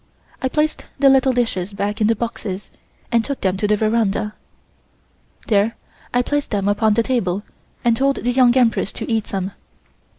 I placed the little dishes back in the boxes and took them to the veranda. There I placed them upon the table and told the Young Empress to eat some.